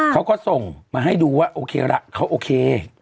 เขาก็ส่งมาให้ดูว่าโอเคละเขาโอเค